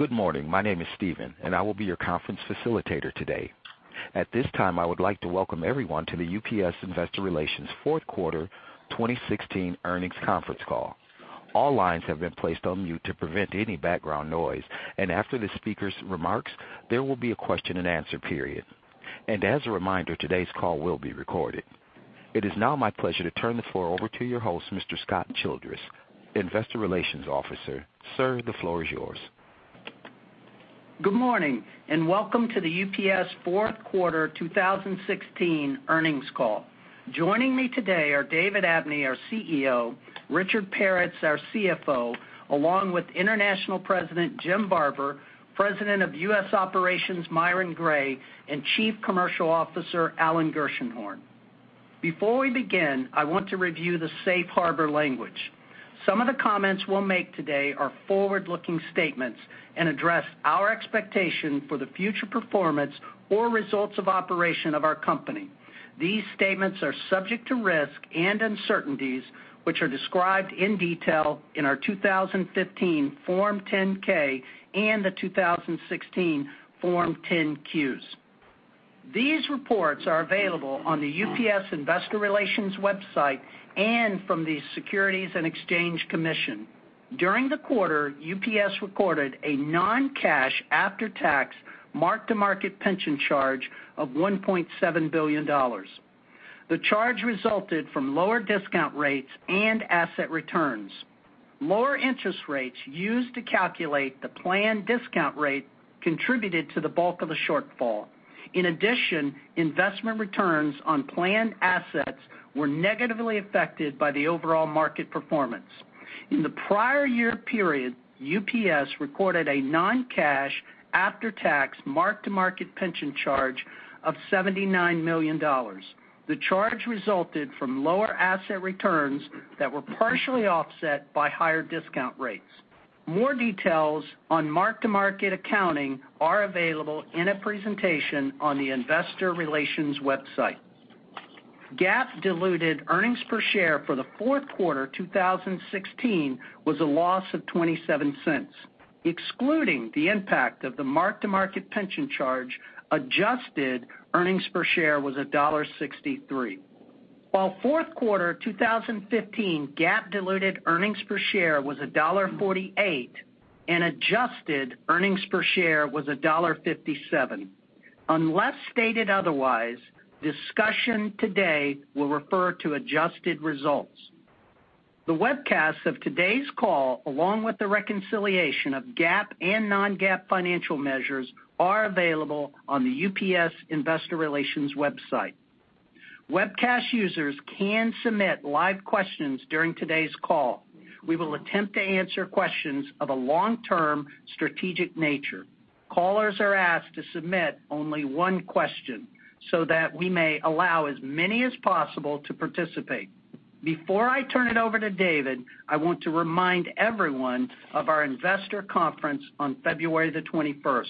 Good morning. My name is Steven, and I will be your conference facilitator today. At this time, I would like to welcome everyone to the UPS Investor Relations fourth quarter 2016 earnings conference call. All lines have been placed on mute to prevent any background noise. After the speaker's remarks, there will be a question and answer period. As a reminder, today's call will be recorded. It is now my pleasure to turn the floor over to your host, Mr. Scott Childress, Investor Relations Officer. Sir, the floor is yours. Good morning, welcome to the UPS fourth quarter 2016 earnings call. Joining me today are David Abney, our CEO, Richard Peretz, our CFO, along with International President Jim Barber, President of U.S. Operations Myron Gray, and Chief Commercial Officer Alan Gershenhorn. Before we begin, I want to review the safe harbor language. Some of the comments we'll make today are forward-looking statements and address our expectation for the future performance or results of operation of our company. These statements are subject to risk and uncertainties, which are described in detail in our 2015 Form 10-K and the 2016 Form 10-Qs. These reports are available on the UPS Investor Relations website and from the Securities and Exchange Commission. During the quarter, UPS recorded a non-cash after-tax mark-to-market pension charge of $1.7 billion. The charge resulted from lower discount rates and asset returns. Lower interest rates used to calculate the planned discount rate contributed to the bulk of the shortfall. In addition, investment returns on planned assets were negatively affected by the overall market performance. In the prior year period, UPS recorded a non-cash after-tax mark-to-market pension charge of $79 million. The charge resulted from lower asset returns that were partially offset by higher discount rates. More details on mark-to-market accounting are available in a presentation on the Investor Relations website. GAAP diluted earnings per share for the fourth quarter 2016 was a loss of $0.27. Excluding the impact of the mark-to-market pension charge, adjusted earnings per share was $1.63. While fourth quarter 2015 GAAP diluted earnings per share was $1.48, adjusted earnings per share was $1.57. Unless stated otherwise, discussion today will refer to adjusted results. The webcast of today's call, along with the reconciliation of GAAP and non-GAAP financial measures, are available on the UPS Investor Relations website. Webcast users can submit live questions during today's call. We will attempt to answer questions of a long-term strategic nature. Callers are asked to submit only one question so that we may allow as many as possible to participate. Before I turn it over to David, I want to remind everyone of our investor conference on February the 21st.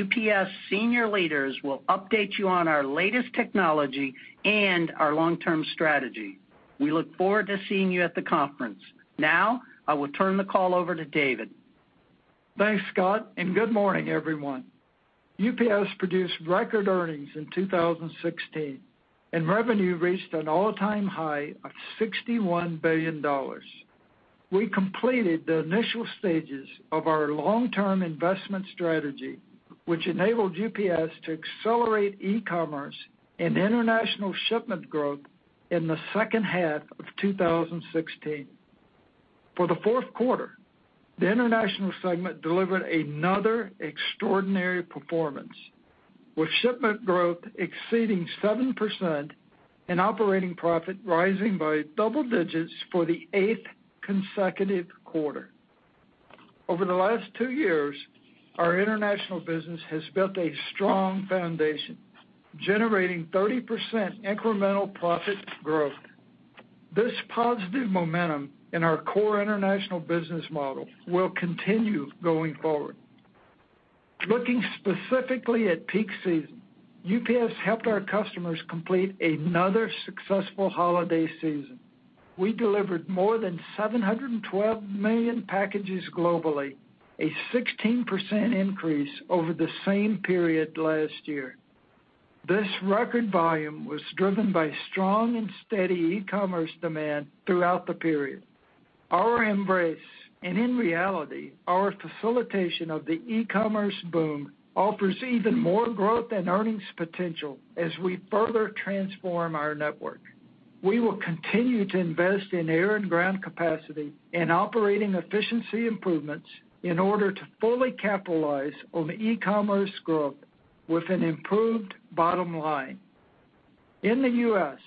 UPS senior leaders will update you on our latest technology and our long-term strategy. We look forward to seeing you at the conference. Now, I will turn the call over to David. Thanks, Scott, and good morning, everyone. UPS produced record earnings in 2016, and revenue reached an all-time high of $61 billion. We completed the initial stages of our long-term investment strategy, which enabled UPS to accelerate e-commerce and international shipment growth in the second half of 2016. For the fourth quarter, the international segment delivered another extraordinary performance, with shipment growth exceeding 7% and operating profit rising by double digits for the eighth consecutive quarter. Over the last two years, our international business has built a strong foundation, generating 30% incremental profit growth. This positive momentum in our core international business model will continue going forward. Looking specifically at peak season, UPS helped our customers complete another successful holiday season. We delivered more than 712 million packages globally, a 16% increase over the same period last year. This record volume was driven by strong and steady e-commerce demand throughout the period. Our embrace, and in reality, our facilitation of the e-commerce boom offers even more growth and earnings potential as we further transform our network. We will continue to invest in air and ground capacity and operating efficiency improvements in order to fully capitalize on e-commerce growth with an improved bottom line. In the U.S.,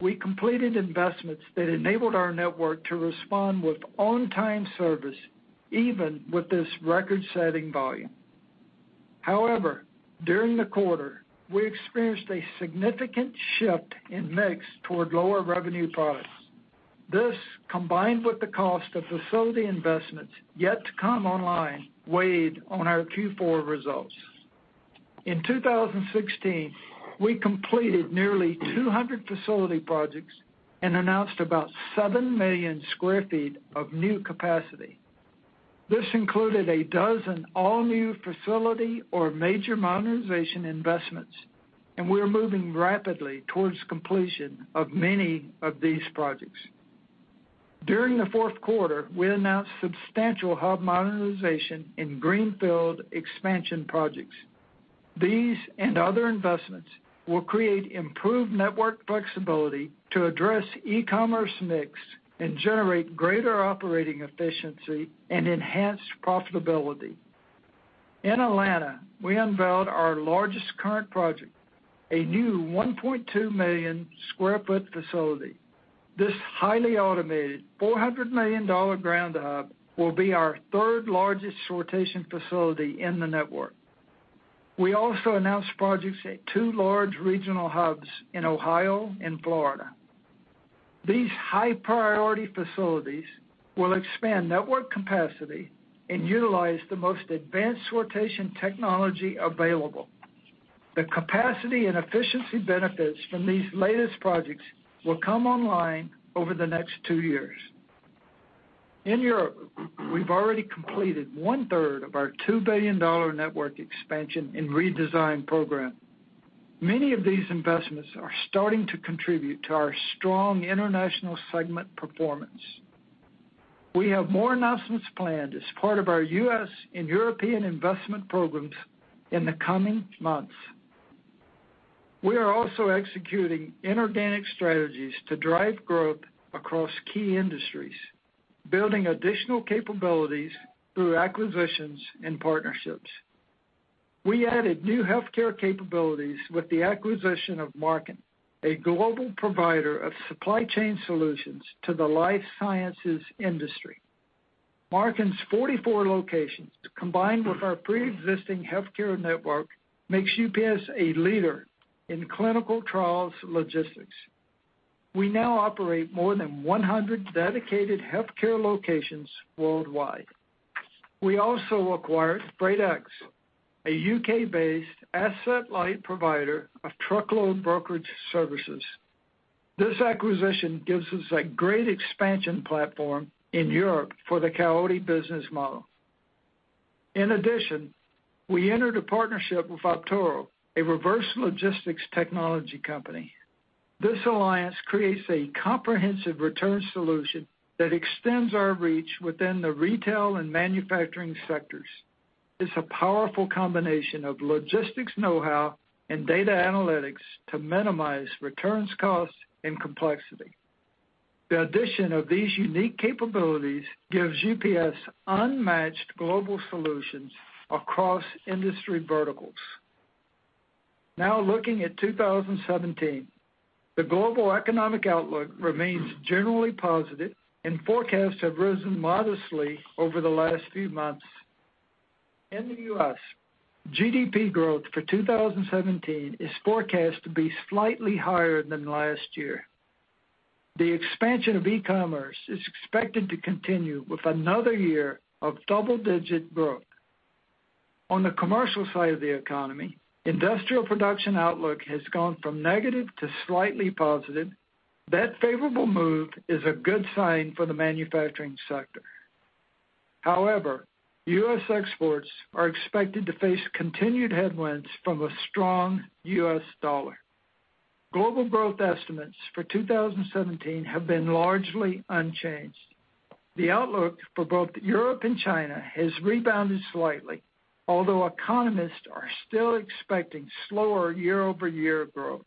we completed investments that enabled our network to respond with on-time service, even with this record-setting volume. However, during the quarter, we experienced a significant shift in mix toward lower revenue products. This, combined with the cost of facility investments yet to come online, weighed on our Q4 results. In 2016, we completed nearly 200 facility projects and announced about 7 million sq ft of new capacity. This included a dozen all-new facility or major modernization investments, and we are moving rapidly towards completion of many of these projects. During the fourth quarter, we announced substantial hub modernization in greenfield expansion projects. These and other investments will create improved network flexibility to address e-commerce mix and generate greater operating efficiency and enhanced profitability. In Atlanta, we unveiled our largest current project, a new 1.2 million sq ft facility. This highly automated $400 million ground hub will be our third-largest sortation facility in the network. We also announced projects at two large regional hubs in Ohio and Florida. These high-priority facilities will expand network capacity and utilize the most advanced sortation technology available. The capacity and efficiency benefits from these latest projects will come online over the next two years. In Europe, we've already completed one-third of our $2 billion network expansion and redesign program. Many of these investments are starting to contribute to our strong international segment performance. We have more announcements planned as part of our U.S. and European investment programs in the coming months. We are also executing inorganic strategies to drive growth across key industries, building additional capabilities through acquisitions and partnerships. We added new healthcare capabilities with the acquisition of Marken, a global provider of supply chain solutions to the life sciences industry. Marken's 44 locations, combined with our preexisting healthcare network, makes UPS a leader in clinical trials logistics. We now operate more than 100 dedicated healthcare locations worldwide. We also acquired Freightex, a U.K.-based asset-light provider of truckload brokerage services. This acquisition gives us a great expansion platform in Europe for the Coyote business model. In addition, we entered a partnership with Optoro, a reverse logistics technology company. This alliance creates a comprehensive return solution that extends our reach within the retail and manufacturing sectors. It's a powerful combination of logistics know-how and data analytics to minimize returns costs and complexity. The addition of these unique capabilities gives UPS unmatched global solutions across industry verticals. Looking at 2017. The global economic outlook remains generally positive, and forecasts have risen modestly over the last few months. In the U.S., GDP growth for 2017 is forecast to be slightly higher than last year. The expansion of e-commerce is expected to continue with another year of double-digit growth. On the commercial side of the economy, industrial production outlook has gone from negative to slightly positive. That favorable move is a good sign for the manufacturing sector. However, U.S. exports are expected to face continued headwinds from a strong U.S. dollar. Global growth estimates for 2017 have been largely unchanged. The outlook for both Europe and China has rebounded slightly, although economists are still expecting slower year-over-year growth.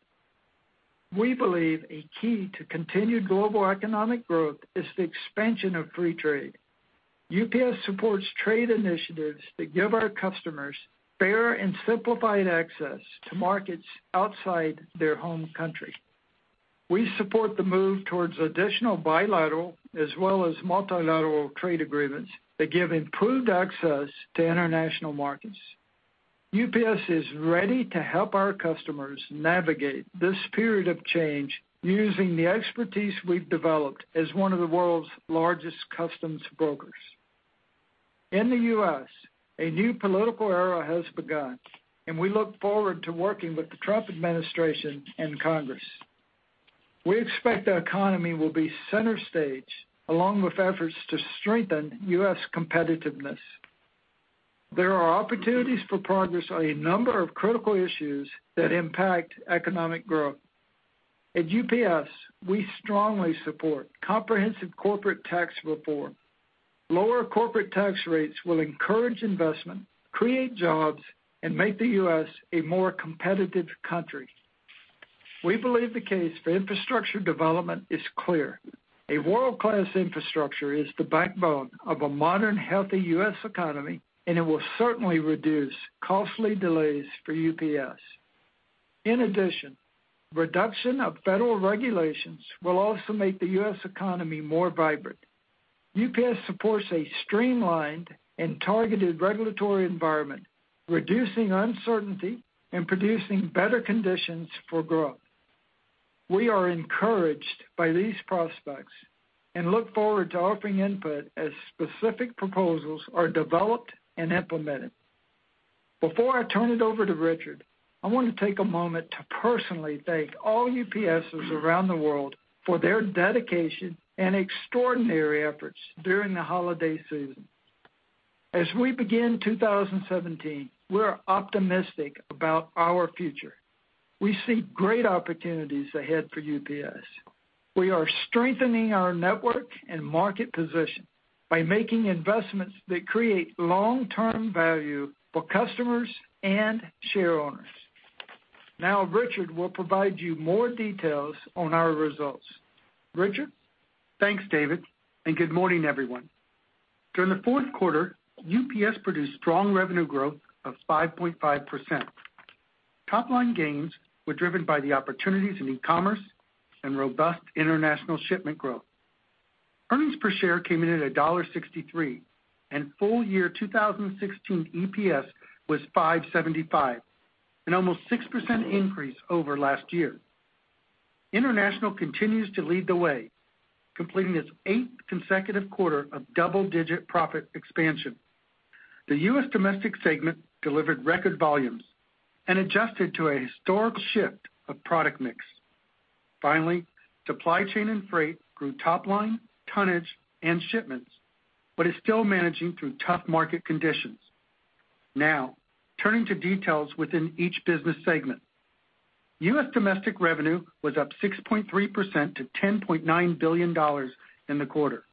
We believe a key to continued global economic growth is the expansion of free trade. UPS supports trade initiatives that give our customers fairer and simplified access to markets outside their home country. We support the move towards additional bilateral as well as multilateral trade agreements that give improved access to international markets. UPS is ready to help our customers navigate this period of change using the expertise we've developed as one of the world's largest customs brokers. In the U.S., a new political era has begun, and we look forward to working with the Trump administration and Congress. We expect the economy will be center stage, along with efforts to strengthen U.S. competitiveness. There are opportunities for progress on a number of critical issues that impact economic growth. At UPS, we strongly support comprehensive corporate tax reform. Lower corporate tax rates will encourage investment, create jobs, and make the U.S. a more competitive country. We believe the case for infrastructure development is clear. A world-class infrastructure is the backbone of a modern, healthy U.S. economy, and it will certainly reduce costly delays for UPS. In addition, reduction of federal regulations will also make the U.S. economy more vibrant. UPS supports a streamlined and targeted regulatory environment, reducing uncertainty and producing better conditions for growth. We are encouraged by these prospects and look forward to offering input as specific proposals are developed and implemented. Before I turn it over to Richard, I want to take a moment to personally thank all UPSers around the world for their dedication and extraordinary efforts during the holiday season. As we begin 2017, we are optimistic about our future. We see great opportunities ahead for UPS. We are strengthening our network and market position by making investments that create long-term value for customers and shareowners. Richard will provide you more details on our results. Richard? Thanks, David. Good morning, everyone. During the fourth quarter, UPS produced strong revenue growth of 5.5%. Top-line gains were driven by the opportunities in e-commerce and robust international shipment growth. Earnings per share came in at $1.63, and full year 2016 EPS was $5.75, an almost 6% increase over last year. International continues to lead the way, completing its eighth consecutive quarter of double-digit profit expansion. The U.S. domestic segment delivered record volumes and adjusted to a historic shift of product mix. Supply chain and freight grew top line, tonnage, and shipments, but is still managing through tough market conditions. Turning to details within each business segment. U.S. domestic revenue was up 6.3% to $10.9 billion in the quarter.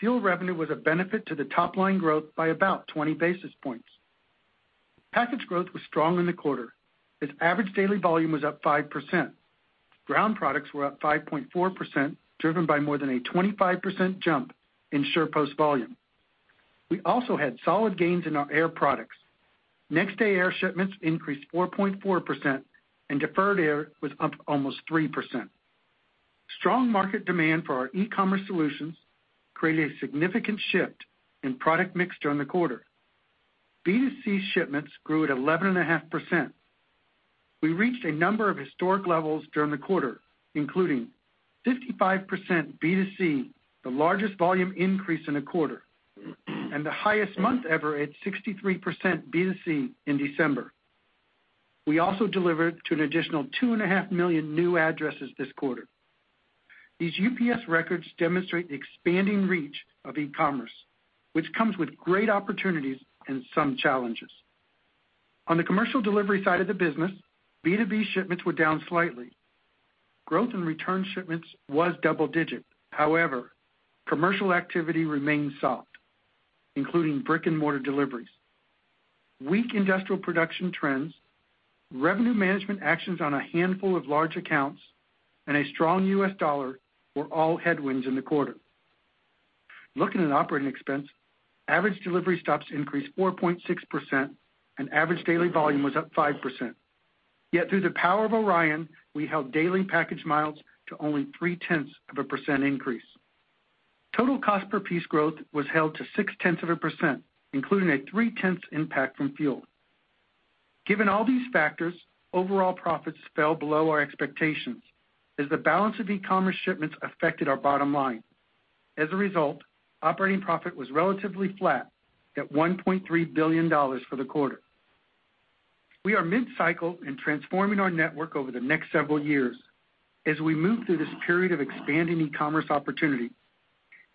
Fuel revenue was a benefit to the top-line growth by about 20 basis points. Package growth was strong in the quarter. Its average daily volume was up 5%. Ground products were up 5.4%, driven by more than a 25% jump in SurePost volume. We also had solid gains in our air products. Next Day Air shipments increased 4.4%. Deferred Air was up almost 3%. Strong market demand for our e-commerce solutions created a significant shift in product mix during the quarter. B2C shipments grew at 11.5%. We reached a number of historic levels during the quarter, including 55% B2C, the largest volume increase in a quarter, and the highest month ever at 63% B2C in December. We also delivered to an additional 2.5 million new addresses this quarter. These UPS records demonstrate the expanding reach of e-commerce, which comes with great opportunities and some challenges. On the commercial delivery side of the business, B2B shipments were down slightly. Growth in return shipments was double-digit. Commercial activity remains soft, including brick-and-mortar deliveries. Weak industrial production trends, revenue management actions on a handful of large accounts, and a strong U.S. dollar were all headwinds in the quarter. Looking at operating expense, average delivery stops increased 4.6%. Average daily volume was up 5%. Yet through the power of ORION, we held daily package miles to only 0.3% increase. Total cost per piece growth was held to 0.6%, including a 0.3% impact from fuel. Given all these factors, overall profits fell below our expectations as the balance of e-commerce shipments affected our bottom line. Operating profit was relatively flat at $1.3 billion for the quarter. We are mid-cycle in transforming our network over the next several years as we move through this period of expanding e-commerce opportunity.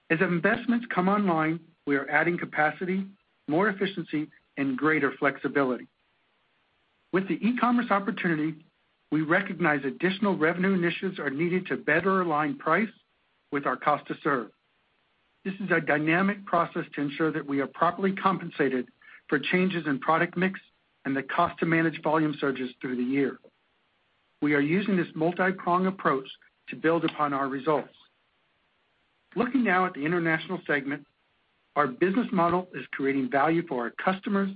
As investments come online, we are adding capacity, more efficiency, and greater flexibility. With the e-commerce opportunity, we recognize additional revenue initiatives are needed to better align price with our cost to serve. This is a dynamic process to ensure that we are properly compensated for changes in product mix and the cost to manage volume surges through the year. We are using this multi-prong approach to build upon our results. At the international segment, our business model is creating value for our customers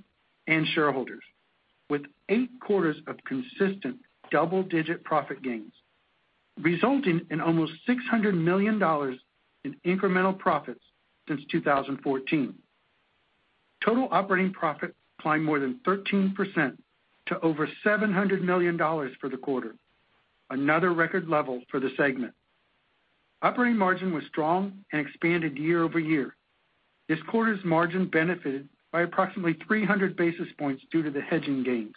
and shareholders. With eight quarters of consistent double-digit profit gains, resulting in almost $600 million in incremental profits since 2014. Total operating profit climbed more than 13% to over $700 million for the quarter, another record level for the segment. Operating margin was strong and expanded year-over-year. This quarter's margin benefited by approximately 300 basis points due to the hedging gains.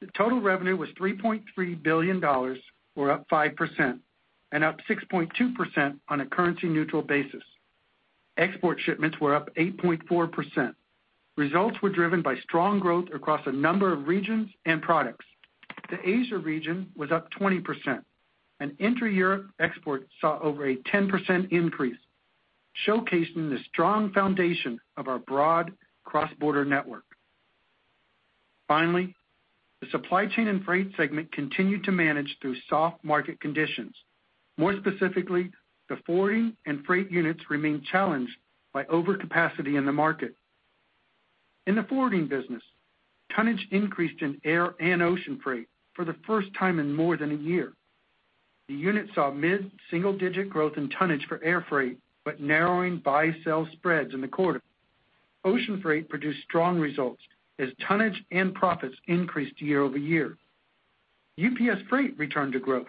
The total revenue was $3.3 billion or up 5%, and up 6.2% on a currency-neutral basis. Export shipments were up 8.4%. Results were driven by strong growth across a number of regions and products. The Asia region was up 20%, and intra-Europe exports saw over a 10% increase, showcasing the strong foundation of our broad cross-border network. Finally, the Supply Chain and Freight segment continued to manage through soft market conditions. More specifically, the forwarding and freight units remain challenged by overcapacity in the market. In the forwarding business, tonnage increased in air and Ocean Freight for the first time in more than a year. The unit saw mid-single digit growth in tonnage for airfreight, but narrowing buy-sell spreads in the quarter. Ocean Freight produced strong results as tonnage and profits increased year-over-year. UPS Freight returned to growth,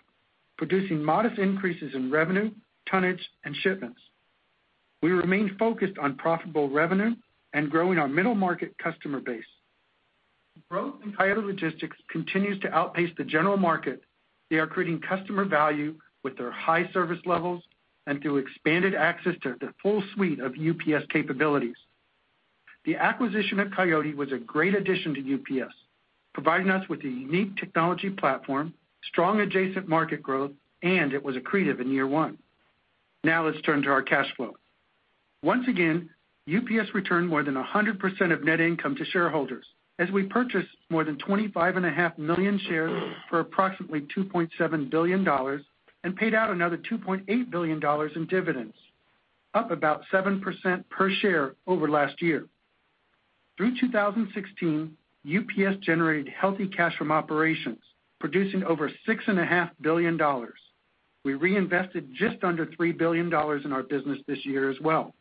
producing modest increases in revenue, tonnage, and shipments. We remain focused on profitable revenue and growing our middle market customer base. Growth in Coyote Logistics continues to outpace the general market. They are creating customer value with their high service levels and through expanded access to the full suite of UPS capabilities. The acquisition of Coyote was a great addition to UPS, providing us with a unique technology platform, strong adjacent market growth, and it was accretive in year one. Let's turn to our cash flow. Once again, UPS returned more than 100% of net income to shareholders as we purchased more than 25.5 million shares for approximately $2.7 billion and paid out another $2.8 billion in dividends, up about 7% per share over last year. Through 2016, UPS generated healthy cash from operations, producing over $6.5 billion. We reinvested just under $3 billion in our business this year as well.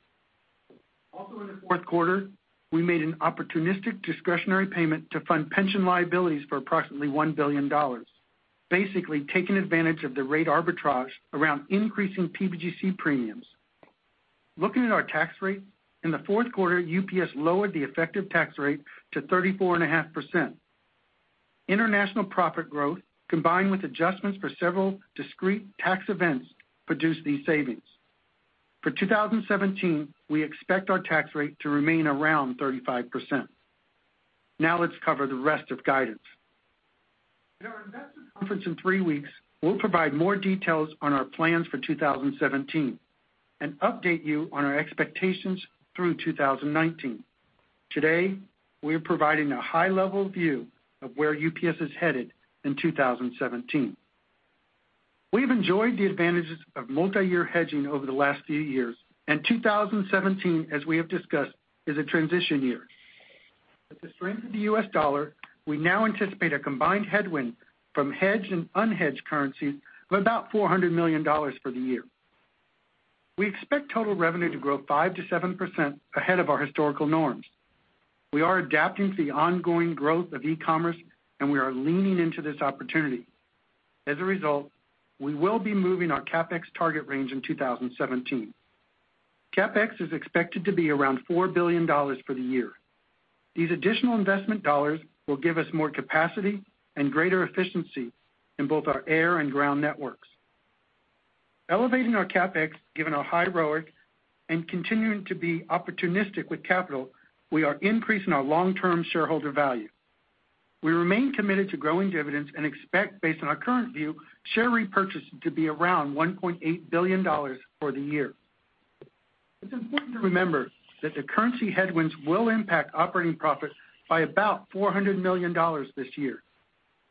Also in the fourth quarter, we made an opportunistic discretionary payment to fund pension liabilities for approximately $1 billion, basically taking advantage of the rate arbitrage around increasing PBGC premiums. Looking at our tax rate, in the fourth quarter, UPS lowered the effective tax rate to 34.5%. International profit growth, combined with adjustments for several discrete tax events, produced these savings. For 2017, we expect our tax rate to remain around 35%. Let's cover the rest of guidance. At our investor conference in three weeks, we'll provide more details on our plans for 2017 and update you on our expectations through 2019. Today, we are providing a high-level view of where UPS is headed in 2017. We have enjoyed the advantages of multi-year hedging over the last few years, and 2017, as we have discussed, is a transition year. With the strength of the U.S. dollar, we now anticipate a combined headwind from hedged and unhedged currencies of about $400 million for the year. We expect total revenue to grow 5%-7% ahead of our historical norms. We are adapting to the ongoing growth of e-commerce, and we are leaning into this opportunity. As a result, we will be moving our CapEx target range in 2017. CapEx is expected to be around $4 billion for the year. These additional investment dollars will give us more capacity and greater efficiency in both our air and ground networks. Elevating our CapEx, given our high ROIC, and continuing to be opportunistic with capital, we are increasing our long-term shareholder value. We remain committed to growing dividends and expect, based on our current view, share repurchase to be around $1.8 billion for the year. It's important to remember that the currency headwinds will impact operating profit by about $400 million this year.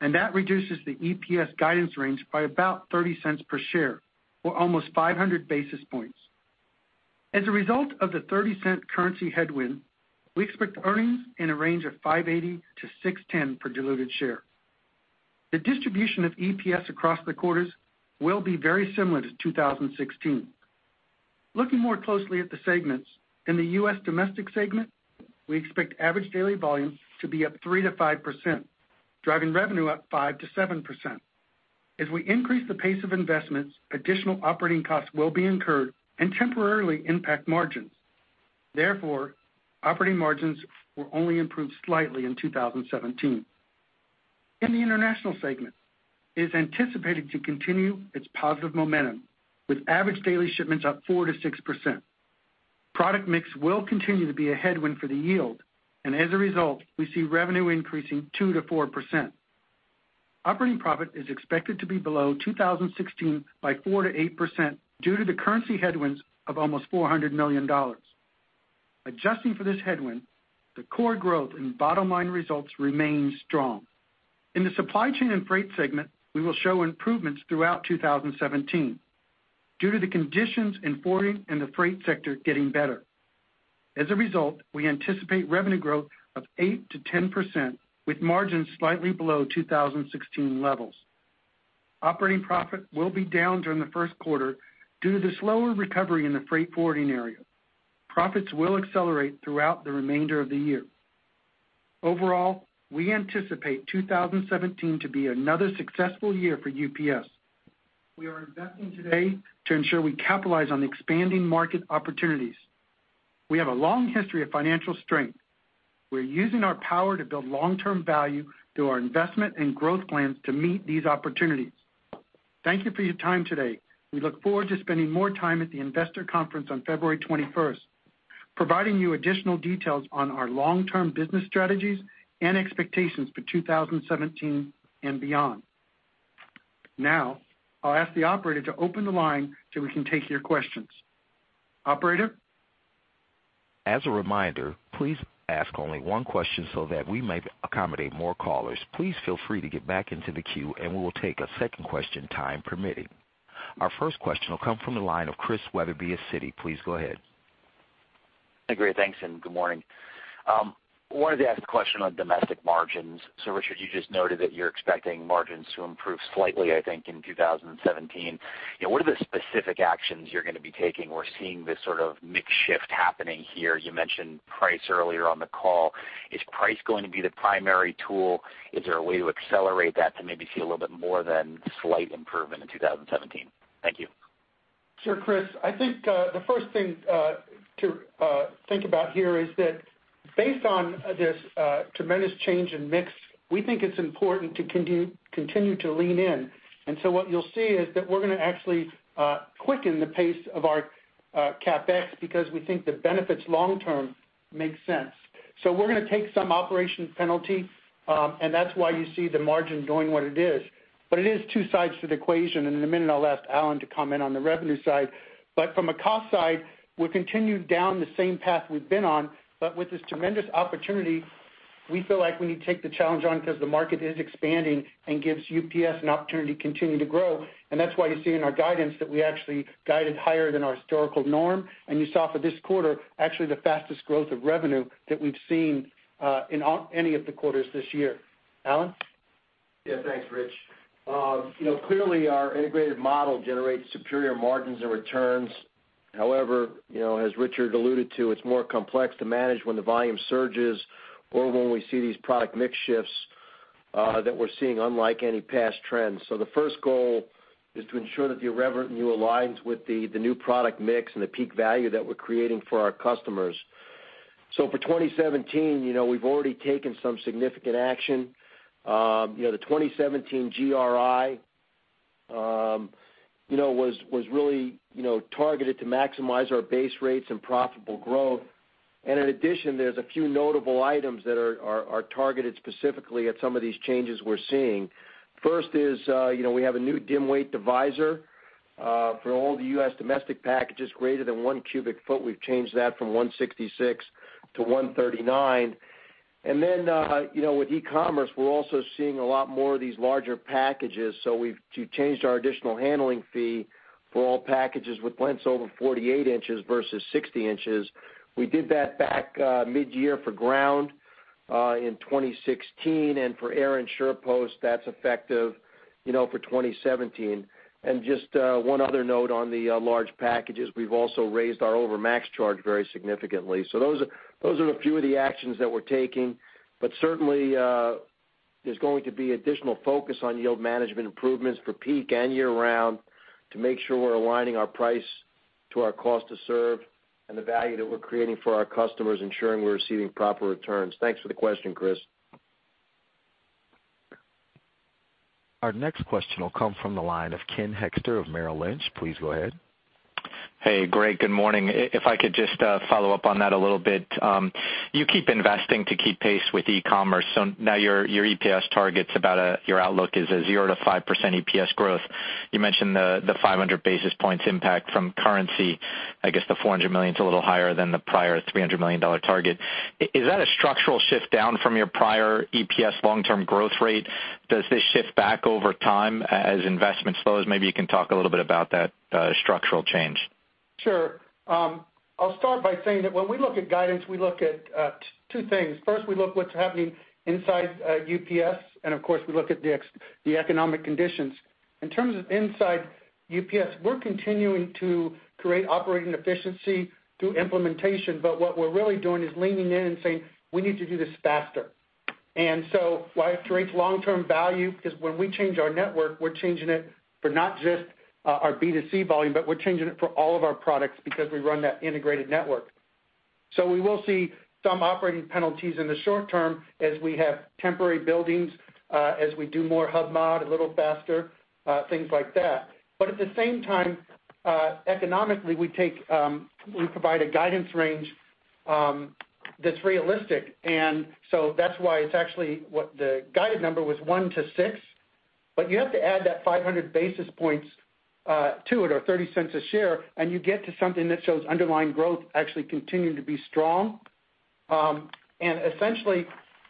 That reduces the EPS guidance range by about $0.30 per share, or almost 500 basis points. As a result of the $0.30 currency headwind, we expect earnings in a range of $5.80 to $6.10 per diluted share. The distribution of EPS across the quarters will be very similar to 2016. Looking more closely at the segments, in the U.S. domestic segment, we expect average daily volumes to be up 3%-5%, driving revenue up 5%-7%. As we increase the pace of investments, additional operating costs will be incurred and temporarily impact margins. Therefore, operating margins will only improve slightly in 2017. In the international segment, it is anticipated to continue its positive momentum, with average daily shipments up 4%-6%. Product mix will continue to be a headwind for the yield. As a result, we see revenue increasing 2%-4%. Operating profit is expected to be below 2016 by 4%-8% due to the currency headwinds of almost $400 million. Adjusting for this headwind, the core growth and bottom-line results remain strong. In the supply chain and freight segment, we will show improvements throughout 2017 due to the conditions in forwarding and the freight sector getting better. As a result, we anticipate revenue growth of 8%-10% with margins slightly below 2016 levels. Operating profit will be down during the first quarter due to the slower recovery in the freight forwarding area. Profits will accelerate throughout the remainder of the year. Overall, we anticipate 2017 to be another successful year for UPS. We are investing today to ensure we capitalize on the expanding market opportunities. We have a long history of financial strength. We're using our power to build long-term value through our investment and growth plans to meet these opportunities. Thank you for your time today. We look forward to spending more time at the investor conference on February 21st, providing you additional details on our long-term business strategies and expectations for 2017 and beyond. I'll ask the operator to open the line so we can take your questions. Operator? As a reminder, please ask only one question so that we may accommodate more callers. Please feel free to get back into the queue. We will take a second question, time permitting. Our first question will come from the line of Chris Wetherbee at Citi. Please go ahead. Hi, Great. Thanks, and good morning. I wanted to ask a question on domestic margins. Richard, you just noted that you're expecting margins to improve slightly, I think, in 2017. What are the specific actions you're going to be taking? We're seeing this sort of mix shift happening here. You mentioned price earlier on the call. Is price going to be the primary tool? Is there a way to accelerate that to maybe see a little bit more than slight improvement in 2017? Thank you. Sure, Chris. I think the first thing to think about here is that based on this tremendous change in mix, we think it's important to continue to lean in. What you'll see is that we're going to actually quicken the pace of our CapEx because we think the benefits long term make sense. We're going to take some operation penalty, and that's why you see the margin doing what it is. It is two sides to the equation, and in a minute, I'll ask Alan to comment on the revenue side. From a cost side, we've continued down the same path we've been on. With this tremendous opportunity, we feel like we need to take the challenge on because the market is expanding and gives UPS an opportunity to continue to grow. That's why you see in our guidance that we actually guided higher than our historical norm. You saw for this quarter, actually the fastest growth of revenue that we've seen in any of the quarters this year. Alan? Thanks, Rich. Clearly our integrated model generates superior margins and returns. However, as Richard alluded to, it's more complex to manage when the volume surges or when we see these product mix shifts that we're seeing unlike any past trends. The first goal is to ensure that the revenue aligns with the new product mix and the peak value that we're creating for our customers. For 2017, we've already taken some significant action. The 2017 GRI was really targeted to maximize our base rates and profitable growth. In addition, there's a few notable items that are targeted specifically at some of these changes we're seeing. First is we have a new dim weight divisor for all the U.S. domestic packages greater than one cubic foot. We've changed that from 166 to 139. With e-commerce, we're also seeing a lot more of these larger packages, we've changed our additional handling fee for all packages with lengths over 48 inches versus 60 inches. We did that back mid-year for ground in 2016, and for air and SurePost, that's effective for 2017. Just one other note on the large packages, we've also raised our over max charge very significantly. Those are a few of the actions that we're taking, but certainly there's going to be additional focus on yield management improvements for peak and year-round to make sure we're aligning our price to our cost to serve and the value that we're creating for our customers, ensuring we're receiving proper returns. Thanks for the question, Chris. Our next question will come from the line of Ken Hoexter of Merrill Lynch. Please go ahead. Good morning. If I could just follow up on that a little bit. You keep investing to keep pace with e-commerce. Now your EPS targets about your outlook is a zero%-five% EPS growth. You mentioned the 500 basis points impact from currency. I guess the $400 million is a little higher than the prior $300 million target. Is that a structural shift down from your prior EPS long-term growth rate? Does this shift back over time as investment slows? Maybe you can talk a little bit about that structural change. Sure. I'll start by saying that when we look at guidance, we look at two things. First, we look what's happening inside UPS, and of course, we look at the economic conditions. In terms of inside UPS, we're continuing to create operating efficiency through implementation, but what we're really doing is leaning in and saying, "We need to do this faster." Why it creates long-term value, because when we change our network, we're changing it for not just our B2C volume, but we're changing it for all of our products because we run that integrated network. We will see some operating penalties in the short term as we have temporary buildings, as we do more hub mod a little faster, things like that. At the same time, economically, we provide a guidance range that's realistic. That's why it's actually what the guided number was 1-6, but you have to add that 500 basis points to it or $0.30 a share, you get to something that shows underlying growth actually continuing to be strong. Essentially,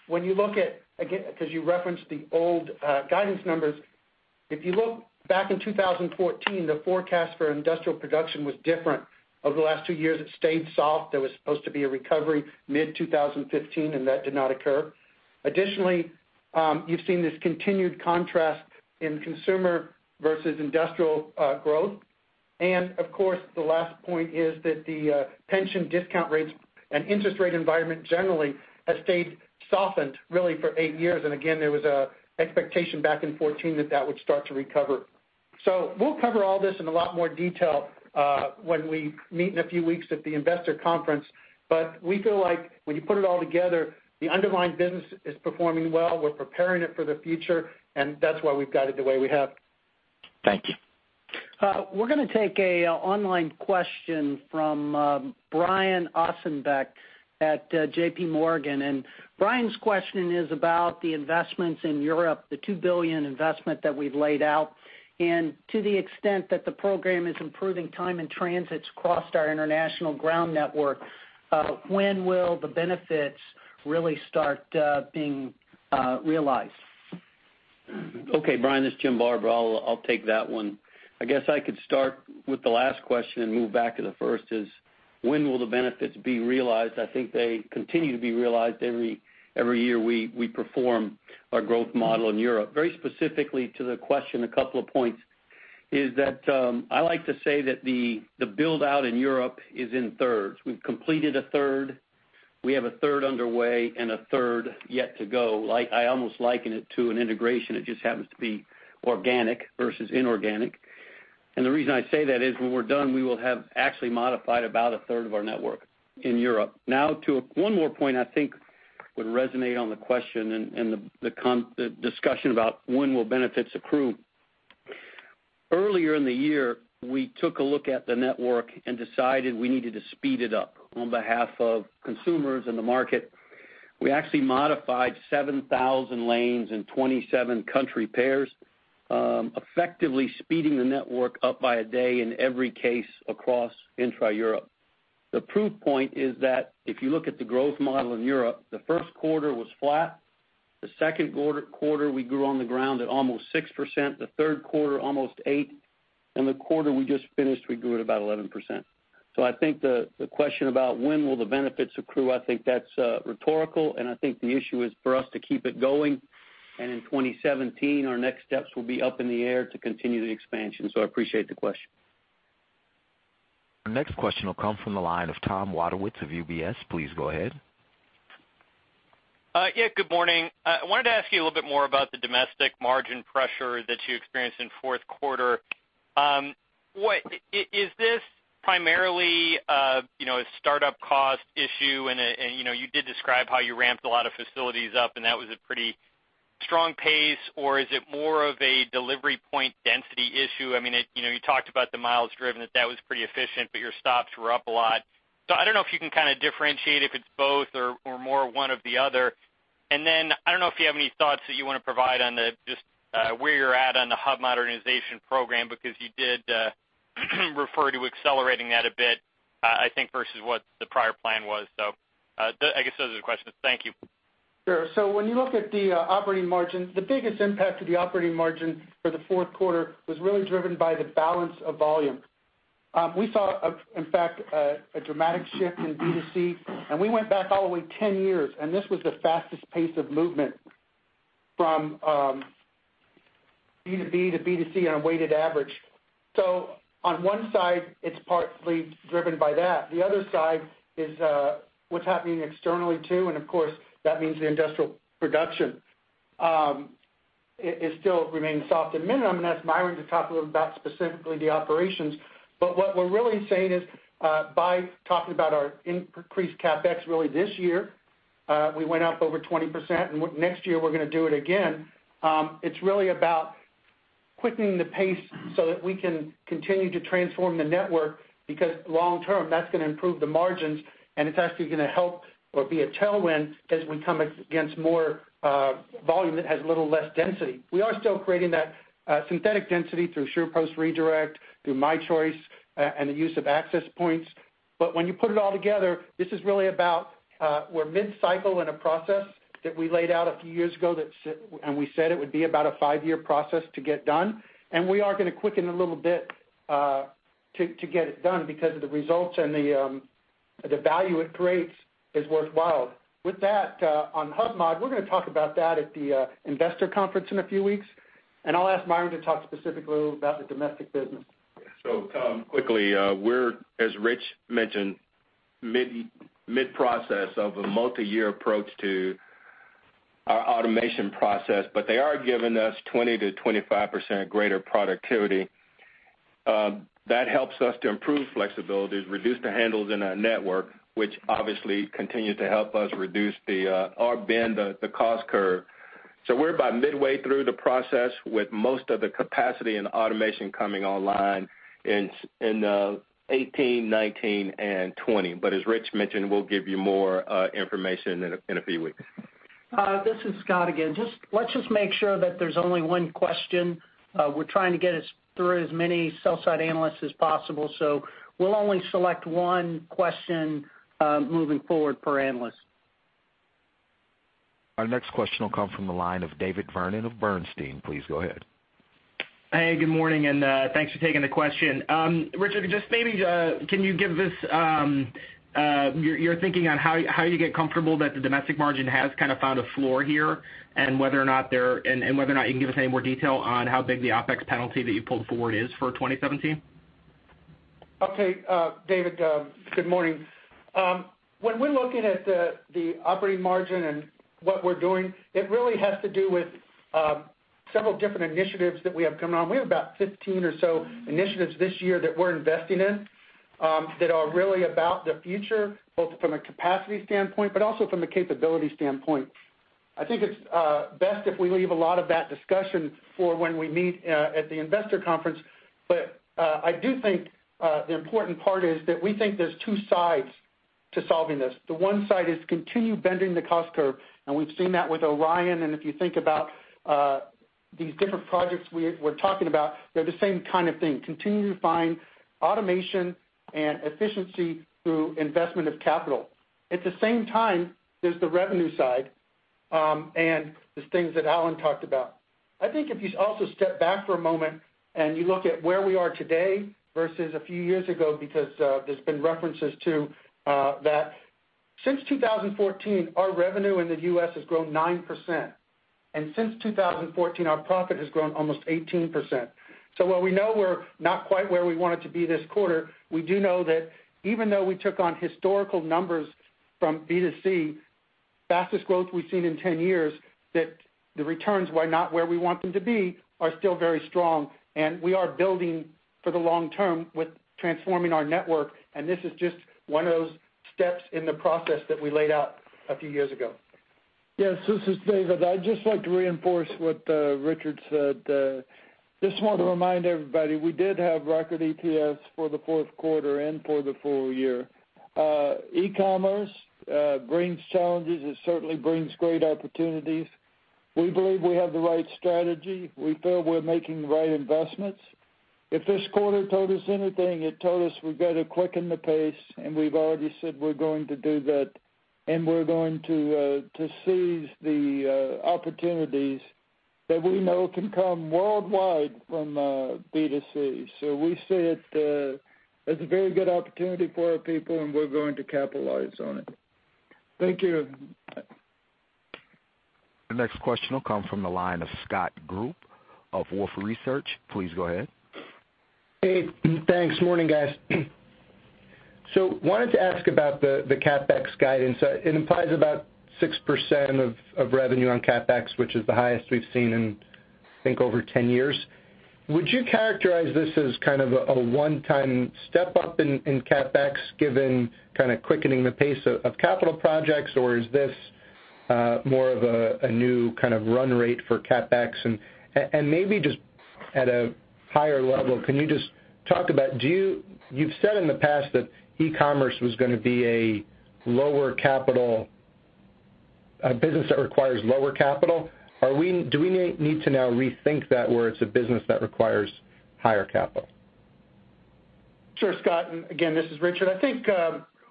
when you look at, again, because you referenced the old guidance numbers, if you look back in 2014, the forecast for industrial production was different. Over the last two years, it stayed soft. There was supposed to be a recovery mid-2015, and that did not occur. Additionally, you've seen this continued contrast in consumer versus industrial growth. Of course, the last point is that the pension discount rates and interest rate environment generally has stayed softened really for eight years. Again, there was an expectation back in 2014 that that would start to recover. We'll cover all this in a lot more detail when we meet in a few weeks at the investor conference. We feel like when you put it all together, the underlying business is performing well. We're preparing it for the future, and that's why we've got it the way we have. Thank you. We're going to take an online question from Brian Ossenbeck at J.P. Morgan. Brian's question is about the investments in Europe, the $2 billion investment that we've laid out. To the extent that the program is improving time and transits across our international ground network, when will the benefits really start being realized? Okay, Brian, this is Jim Barber. I'll take that one. I guess I could start with the last question and move back to the first is, when will the benefits be realized? I think they continue to be realized every year we perform our growth model in Europe. Very specifically to the question, a couple of points is that I like to say that the build-out in Europe is in thirds. We've completed a third, we have a third underway, and a third yet to go. I almost liken it to an integration. It just happens to be organic versus inorganic. The reason I say that is when we're done, we will have actually modified about a third of our network in Europe. To one more point I think would resonate on the question and the discussion about when will benefits accrue. Earlier in the year, we took a look at the network and decided we needed to speed it up on behalf of consumers and the market. We actually modified 7,000 lanes in 27 country pairs, effectively speeding the network up by a day in every case across intra-Europe. The proof point is that if you look at the growth model in Europe, the first quarter was flat. The second quarter, we grew on the ground at almost 6%, the third quarter almost 8%, the quarter we just finished, we grew at about 11%. I think the question about when will the benefits accrue, I think that's rhetorical, I think the issue is for us to keep it going, and in 2017, our next steps will be up in the air to continue the expansion. I appreciate the question. Our next question will come from the line of Tom Wadewitz of UBS. Please go ahead. Yeah, good morning. I wanted to ask you a little bit more about the domestic margin pressure that you experienced in fourth quarter. Is this primarily a startup cost issue? You did describe how you ramped a lot of facilities up, and that was a pretty strong pace. Is it more of a delivery point density issue? You talked about the miles driven, that was pretty efficient, but your stops were up a lot. I don't know if you can kind of differentiate if it's both or more one of the other. I don't know if you have any thoughts that you want to provide on just where you're at on the Hub Modernization program, because you did refer to accelerating that a bit, I think, versus what the prior plan was. I guess those are the questions. Thank you. Sure. When you look at the operating margin, the biggest impact to the operating margin for the fourth quarter was really driven by the balance of volume. We saw, in fact, a dramatic shift in B2C, we went back all the way 10 years, and this was the fastest pace of movement from B2B to B2C on a weighted average. On one side, it's partly driven by that. The other side is what's happening externally, too. Of course, that means the industrial production. It still remains soft and minimum, and that's Myron to talk a little about specifically the operations. But what we're really saying is by talking about our increased CapEx, really this year, we went up over 20%, next year we're going to do it again. It's really about quickening the pace so that we can continue to transform the network, because long term, that's going to improve the margins and it's actually going to help or be a tailwind as we come against more volume that has a little less density. We are still creating that synthetic density through SurePost redirect, through My Choice, and the use of Access Points. When you put it all together, this is really about we're mid-cycle in a process that we laid out a few years ago, and we said it would be about a five-year process to get done. We are going to quicken a little bit to get it done because of the results and the value it creates is worthwhile. With that, on Hub Mod, we're going to talk about that at the investor conference in a few weeks, I'll ask Myron to talk specifically about the domestic business. Tom, quickly, we're, as Rich mentioned, mid-process of a multi-year approach to our automation process. They are giving us 20%-25% greater productivity. That helps us to improve flexibilities, reduce the handles in our network, which obviously continue to help us reduce the or bend, the cost curve. We're about midway through the process with most of the capacity and automation coming online in 2018, 2019, and 2020. As Rich mentioned, we'll give you more information in a few weeks. This is Scott again. Let's just make sure that there's only one question. We're trying to get through as many sell-side analysts as possible. We'll only select one question moving forward per analyst. Our next question will come from the line of David Vernon of Bernstein. Please go ahead. Hey, good morning. Thanks for taking the question. Richard, just maybe can you give us your thinking on how you get comfortable that the domestic margin has kind of found a floor here and whether or not you can give us any more detail on how big the OpEx penalty that you pulled forward is for 2017? Okay. David, good morning. When we're looking at the operating margin and what we're doing, it really has to do with several different initiatives that we have coming on. We have about 15 or so initiatives this year that we're investing in that are really about the future, both from a capacity standpoint, but also from a capability standpoint. I think it's best if we leave a lot of that discussion for when we meet at the investor conference. I do think the important part is that we think there's two sides to solving this. The one side is continue bending the cost curve, and we've seen that with ORION. If you think about these different projects we're talking about, they're the same kind of thing. Continue to find automation and efficiency through investment of capital. At the same time, there's the revenue side, and there's things that Alan talked about. I think if you also step back for a moment and you look at where we are today versus a few years ago, because there's been references to that. Since 2014, our revenue in the U.S. has grown 9%, and since 2014, our profit has grown almost 18%. While we know we're not quite where we wanted to be this quarter, we do know that even though we took on historical numbers from B2C, fastest growth we've seen in 10 years, that the returns were not where we want them to be, are still very strong, and we are building for the long term with transforming our network. This is just one of those steps in the process that we laid out a few years ago. Yes, this is David. I'd just like to reinforce what Richard said. Just want to remind everybody, we did have record EPS for the fourth quarter and for the full year. E-commerce brings challenges. It certainly brings great opportunities. We believe we have the right strategy. We feel we're making the right investments. If this quarter told us anything, it told us we've got to quicken the pace, and we've already said we're going to do that, and we're going to seize the opportunities that we know can come worldwide from B2C. We see it as a very good opportunity for our people, and we're going to capitalize on it. Thank you. The next question will come from the line of Scott Group of Wolfe Research. Please go ahead. Hey, thanks. Morning, guys. Wanted to ask about the CapEx guidance. It implies about 6% of revenue on CapEx, which is the highest we've seen in, I think, over 10 years. Would you characterize this as kind of a one-time step-up in CapEx, given kind of quickening the pace of capital projects, or is this more of a new kind of run rate for CapEx? And maybe just at a higher level, can you just talk about, you've said in the past that e-commerce was going to be a business that requires lower capital. Do we need to now rethink that where it's a business that requires higher capital? Sure, Scott, and again, this is Richard. I think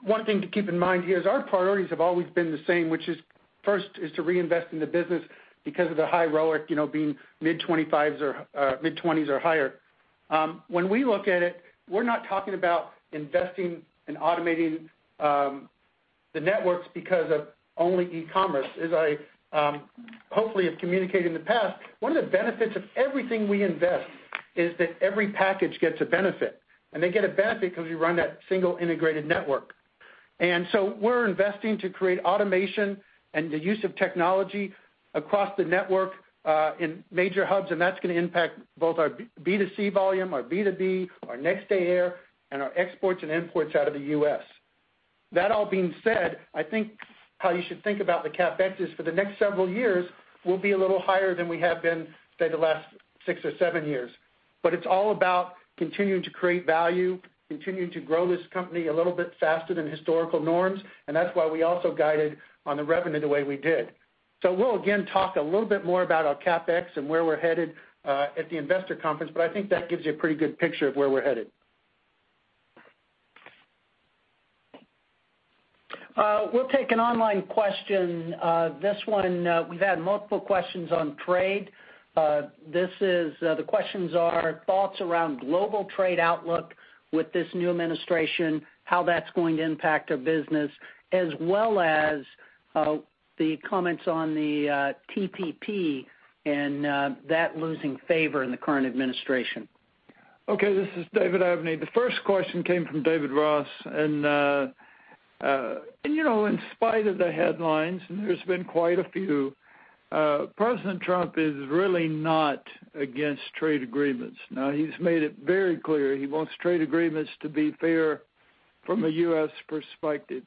one thing to keep in mind here is our priorities have always been the same, which is first is to reinvest in the business because of the high ROIC being mid-20s or higher. When we look at it, we're not talking about investing and automating the networks because of only e-commerce. As I hopefully have communicated in the past, one of the benefits of everything we invest is that every package gets a benefit, and they get a benefit because we run that single integrated network. We're investing to create automation and the use of technology across the network in major hubs, and that's going to impact both our B2C volume, our B2B, our Next Day Air, and our exports and imports out of the U.S. That all being said, I think how you should think about the CapEx is for the next several years will be a little higher than we have been, say, the last six or seven years. It's all about continuing to create value, continuing to grow this company a little bit faster than historical norms, and that's why we also guided on the revenue the way we did. We'll again talk a little bit more about our CapEx and where we're headed at the investor conference, I think that gives you a pretty good picture of where we're headed. We'll take an online question. This one, we've had multiple questions on trade. The questions are thoughts around global trade outlook with this new administration, how that's going to impact our business, as well as the comments on the TPP and that losing favor in the current administration. This is David Abney. The first question came from David Ross. In spite of the headlines, there's been quite a few, President Trump is really not against trade agreements. He's made it very clear he wants trade agreements to be fair from a U.S. perspective.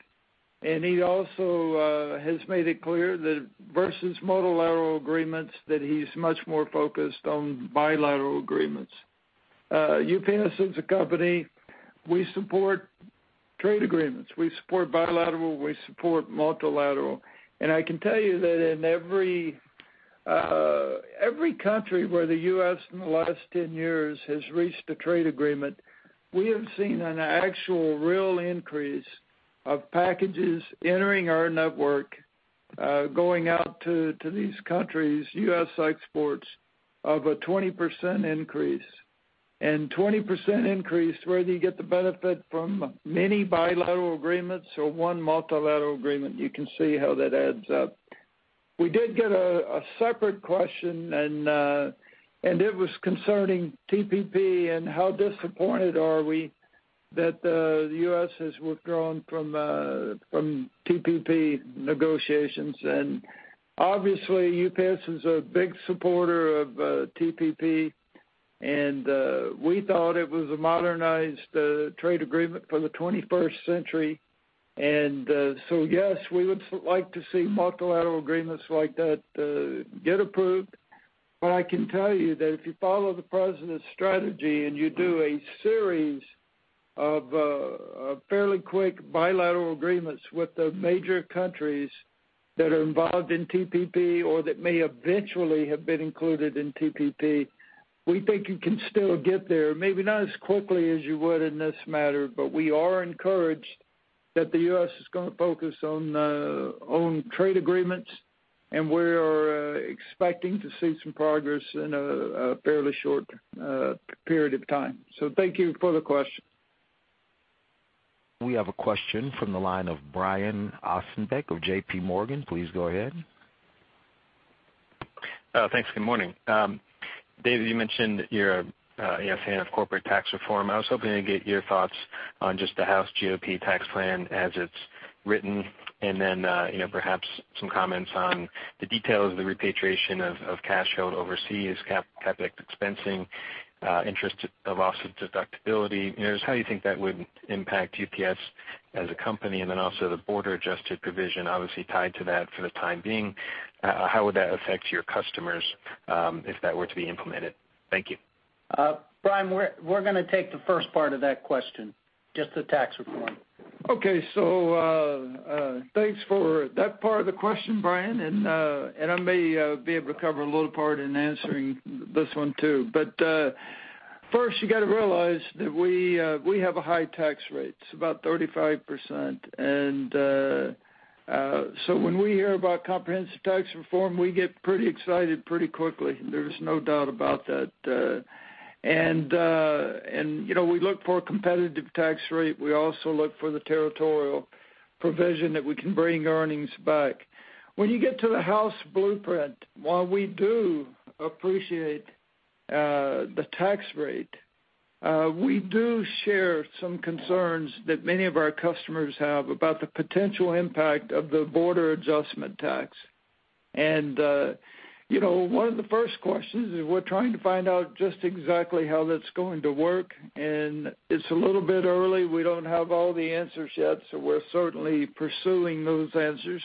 He also has made it clear that versus multilateral agreements, that he's much more focused on bilateral agreements. UPS, as a company, we support trade agreements. We support bilateral, we support multilateral. I can tell you that in every country where the U.S. in the last 10 years has reached a trade agreement, we have seen an actual real increase of packages entering our network going out to these countries, U.S. exports of a 20% increase. 20% increase, whether you get the benefit from many bilateral agreements or one multilateral agreement, you can see how that adds up. We did get a separate question, and it was concerning TPP and how disappointed are we that the U.S. has withdrawn from TPP negotiations. Obviously, UPS is a big supporter of TPP, and we thought it was a modernized trade agreement for the 21st century. Yes, we would like to see multilateral agreements like that get approved. I can tell you that if you follow the President's strategy and you do a series of fairly quick bilateral agreements with the major countries that are involved in TPP or that may eventually have been included in TPP. We think you can still get there, maybe not as quickly as you would in this matter, but we are encouraged that the U.S. is going to focus on trade agreements, and we are expecting to see some progress in a fairly short period of time. Thank you for the question. We have a question from the line of Brian Ossenbeck of J.P. Morgan. Please go ahead. Thanks. Good morning. David, you mentioned that you're a fan of corporate tax reform. I was hoping to get your thoughts on just the House GOP tax plan as it's written, then perhaps some comments on the details of the repatriation of cash held overseas, CapEx expensing, interest of loss of deductibility. Just how you think that would impact UPS as a company, then also the border-adjusted provision obviously tied to that for the time being. How would that affect your customers if that were to be implemented? Thank you. Brian, we're going to take the first part of that question, just the tax reform. Thanks for that part of the question, Brian. I may be able to cover a little part in answering this one, too. First, you got to realize that we have a high tax rate. It's about 35%. When we hear about comprehensive tax reform, we get pretty excited pretty quickly. There's no doubt about that. We look for a competitive tax rate. We also look for the territorial provision that we can bring earnings back. When you get to the House blueprint, while we do appreciate the tax rate, we do share some concerns that many of our customers have about the potential impact of the border adjustment tax. One of the first questions is we're trying to find out just exactly how that's going to work, and it's a little bit early. We don't have all the answers yet, so we're certainly pursuing those answers.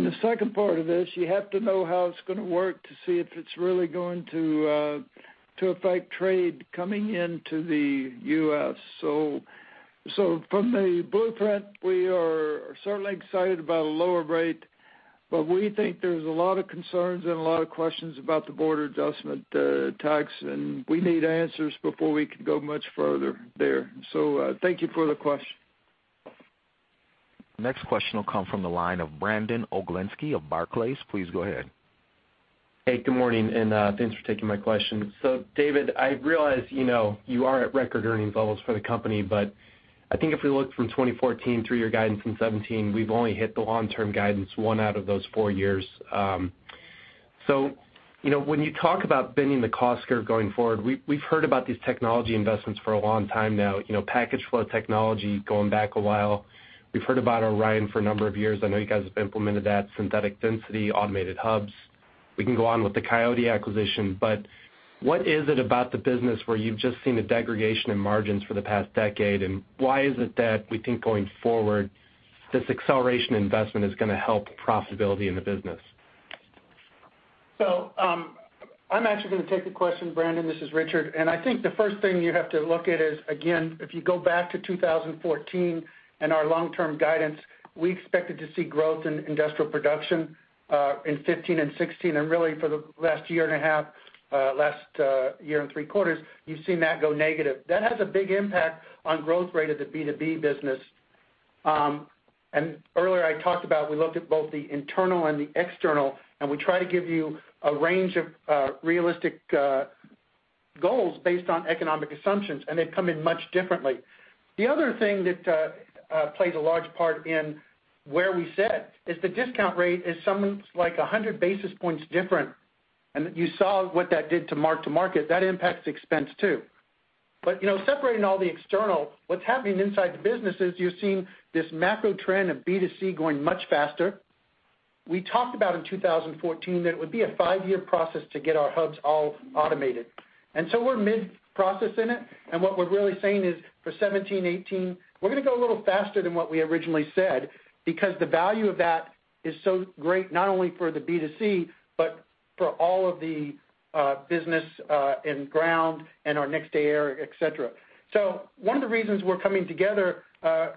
The second part of this, you have to know how it's going to work to see if it's really going to affect trade coming into the U.S. From the blueprint, we are certainly excited about a lower rate, but we think there's a lot of concerns and a lot of questions about the border adjustment tax, and we need answers before we can go much further there. Thank you for the question. Next question will come from the line of Brandon Oglenski of Barclays. Please go ahead. Hey, good morning, and thanks for taking my question. David, I realize you are at record earnings levels for the company, but I think if we look from 2014 through your guidance in 2017, we've only hit the long-term guidance one out of those four years. When you talk about bending the cost curve going forward, we've heard about these technology investments for a long time now. Package flow technology going back a while. We've heard about ORION for a number of years. I know you guys have implemented that. Synthetic density, automated hubs. We can go on with the Coyote acquisition. What is it about the business where you've just seen a degradation in margins for the past decade, and why is it that we think going forward, this acceleration investment is going to help profitability in the business? I'm actually going to take the question, Brandon. This is Richard. I think the first thing you have to look at is, again, if you go back to 2014 and our long-term guidance, we expected to see growth in industrial production in 2015 and 2016, and really for the last year and a half, last year and three quarters, you've seen that go negative. That has a big impact on growth rate of the B2B business. Earlier I talked about we looked at both the internal and the external, and we try to give you a range of realistic goals based on economic assumptions, and they've come in much differently. The other thing that plays a large part in where we sit is the discount rate is something like 100 basis points different. You saw what that did to mark to market. That impacts expense, too. Separating all the external, what's happening inside the business is you're seeing this macro trend of B2C going much faster. We talked about in 2014 that it would be a five-year process to get our hubs all automated. We're mid-process in it, and what we're really saying is for 2017, 2018, we're going to go a little faster than what we originally said because the value of that is so great, not only for the B2C, but for all of the business in ground and our Next Day Air, et cetera. One of the reasons we're coming together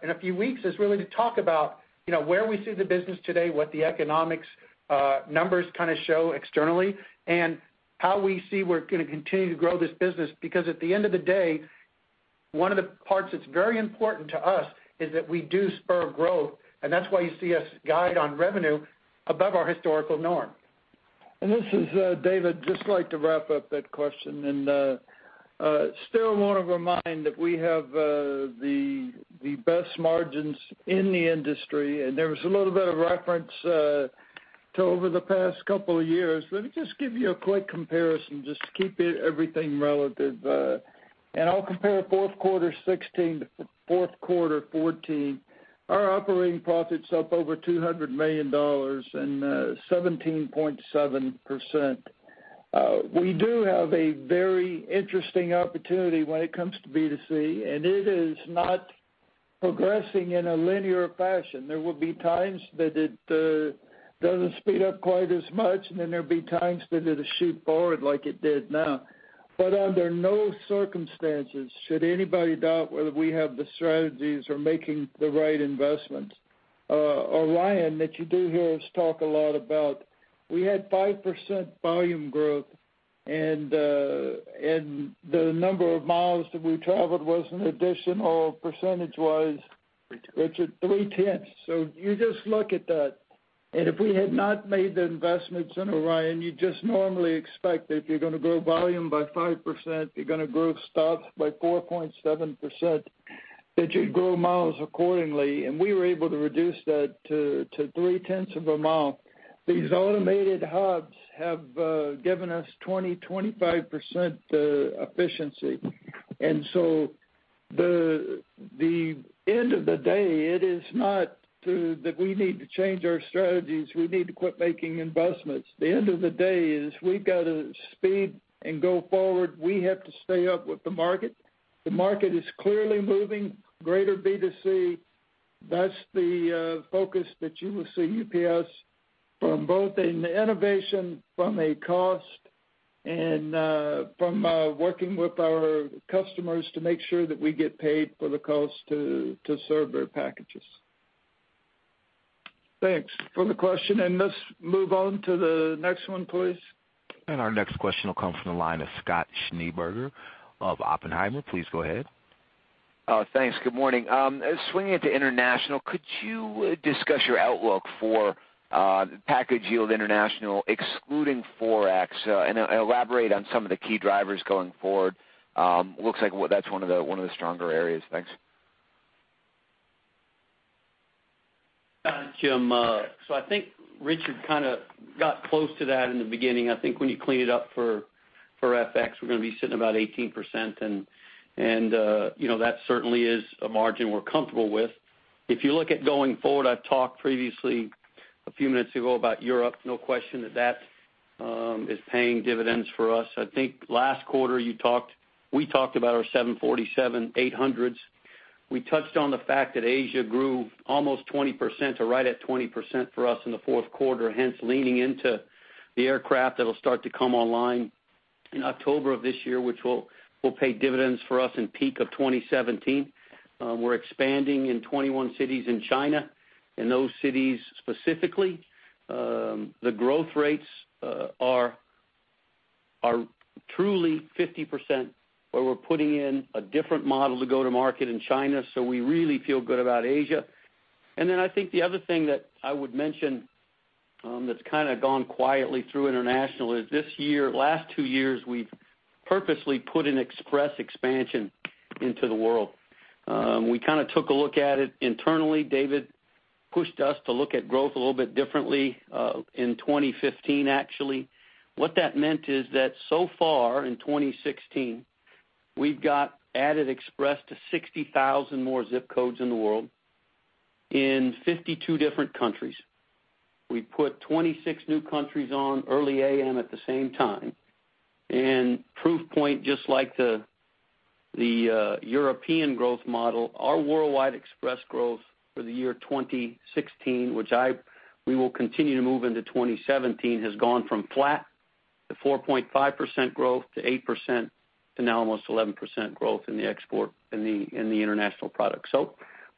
in a few weeks is really to talk about where we see the business today, what the economics numbers kind of show externally, and how we see we're going to continue to grow this business. At the end of the day, one of the parts that is very important to us is that we do spur growth, and that is why you see us guide on revenue above our historical norm. This is David. Just like to wrap up that question. Still want to remind that we have the best margins in the industry, and there was a little bit of reference to over the past couple of years. Let me just give you a quick comparison, just to keep everything relative. I will compare fourth quarter 2016 to fourth quarter 2014. Our operating profit is up over $200 million and 17.7%. We do have a very interesting opportunity when it comes to B2C, and it is not progressing in a linear fashion. There will be times that it does not speed up quite as much, and then there will be times that it will shoot forward like it did now. Under no circumstances should anybody doubt whether we have the strategies for making the right investments. ORION, that you do hear us talk a lot about, we had 5% volume growth, the number of miles that we traveled was an additional, percentage-wise- Richard Richard, three-tenths. You just look at that. If we had not made the investments in ORION, you would just normally expect that if you are going to grow volume by 5%, you are going to grow staff by 4.7%, that you would grow miles accordingly. We were able to reduce that to three-tenths of a mile. These automated hubs have given us 20, 25% efficiency. The end of the day, it is not that we need to change our strategies, we need to quit making investments. The end of the day is we have got to speed and go forward. We have to stay up with the market. The market is clearly moving greater B2C. That's the focus that you will see UPS from both in the innovation from a cost and from working with our customers to make sure that we get paid for the cost to serve their packages. Thanks for the question, let's move on to the next one, please. Our next question will come from the line of Scott Schneeberger of Oppenheimer. Please go ahead. Thanks. Good morning. Swinging into International, could you discuss your outlook for package yield International excluding FX, and elaborate on some of the key drivers going forward? Looks like that's one of the stronger areas. Thanks. Jim. I think Richard kind of got close to that in the beginning. I think when you clean it up for FX, we're going to be sitting about 18%, and that certainly is a margin we're comfortable with. If you look at going forward, I've talked previously a few minutes ago about Europe. No question that is paying dividends for us. I think last quarter we talked about our 747-8s. We touched on the fact that Asia grew almost 20% or right at 20% for us in the fourth quarter, hence leaning into the aircraft that'll start to come online in October of this year, which will pay dividends for us in peak of 2017. We're expanding in 21 cities in China. In those cities specifically, the growth rates are truly 50% where we're putting in a different model to go to market in China. We really feel good about Asia. I think the other thing that I would mention that's kind of gone quietly through international is this year, last two years, we've purposely put an express expansion into the world. We took a look at it internally. David pushed us to look at growth a little bit differently, in 2015, actually. What that meant is that so far in 2016, we've got added express to 60,000 more ZIP codes in the world in 52 different countries. We put 26 new countries on Early A.M. at the same time. Proof point, just like the European growth model, our worldwide express growth for the year 2016, which we will continue to move into 2017, has gone from flat to 4.5% growth to 8% to now almost 11% growth in the export, in the international product.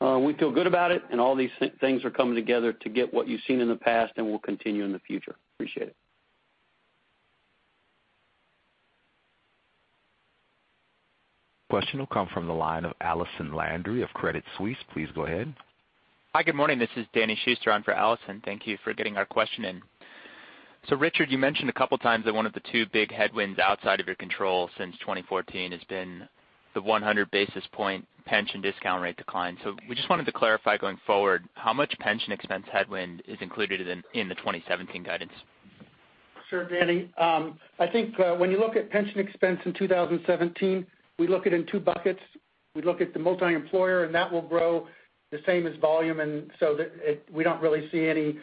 We feel good about it, and all these things are coming together to get what you've seen in the past, and will continue in the future. Appreciate it. Question will come from the line of Allison Landry of Credit Suisse. Please go ahead. Hi, good morning. This is Danny Schuster on for Allison. Thank you for getting our question in. Richard, you mentioned a couple of times that one of the two big headwinds outside of your control since 2014 has been the 100 basis point pension discount rate decline. We just wanted to clarify going forward, how much pension expense headwind is included in the 2017 guidance? Sure, Danny. I think when you look at pension expense in 2017, we look at it in two buckets. We look at the multi-employer, that will grow the same as volume, we don't really see any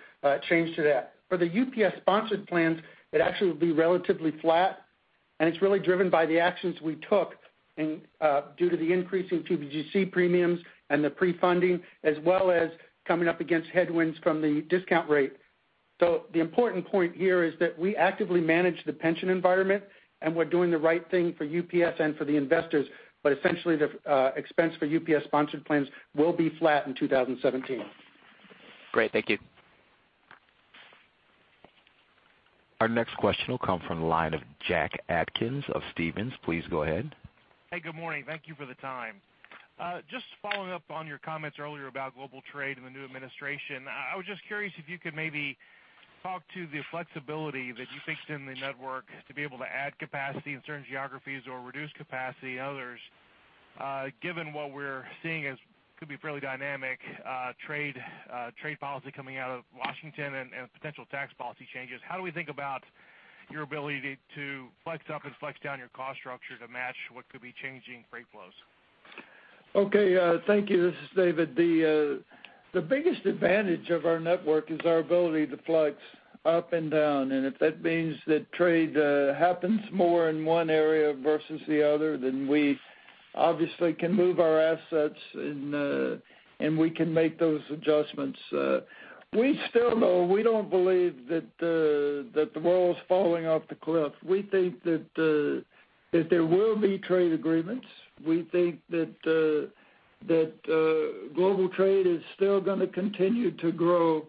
change to that. For the UPS-sponsored plans, it actually will be relatively flat, and it's really driven by the actions we took due to the increase in PBGC premiums and the pre-funding, as well as coming up against headwinds from the discount rate. The important point here is that we actively manage the pension environment, and we're doing the right thing for UPS and for the investors. Essentially, the expense for UPS-sponsored plans will be flat in 2017. Great. Thank you. Our next question will come from the line of Jack Atkins of Stephens. Please go ahead. Hey, good morning. Thank you for the time. Just following up on your comments earlier about global trade and the new administration. I was just curious if you could maybe talk to the flexibility that you fixed in the network to be able to add capacity in certain geographies or reduce capacity in others, given what we're seeing as could be fairly dynamic trade policy coming out of Washington and potential tax policy changes. How do we think about your ability to flex up and flex down your cost structure to match what could be changing freight flows? Okay. Thank you. This is David. The biggest advantage of our network is our ability to flex up and down. If that means that trade happens more in one area versus the other, we obviously can move our assets, and we can make those adjustments. We still don't believe that the world's falling off the cliff. We think that there will be trade agreements. We think that global trade is still going to continue to grow.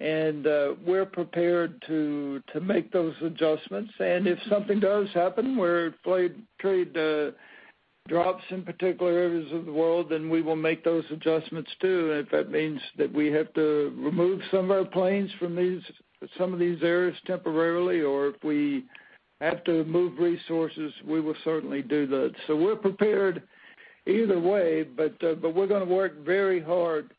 We're prepared to make those adjustments. If something does happen where trade drops in particular areas of the world, we will make those adjustments, too. If that means that we have to remove some of our planes from some of these areas temporarily, or if we have to move resources, we will certainly do that. We're prepared either way, but we're going to work very hard